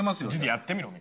やってみろ。